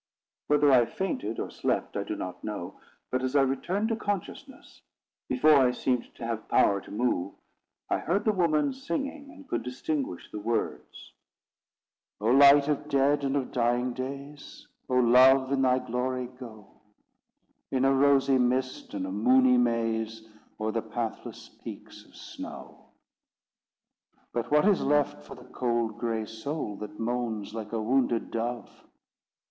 Whether I fainted or slept, I do not know; but, as I returned to consciousness, before I seemed to have power to move, I heard the woman singing, and could distinguish the words: O light of dead and of dying days! O Love! in thy glory go, In a rosy mist and a moony maze, O'er the pathless peaks of snow. But what is left for the cold gray soul, That moans like a wounded dove?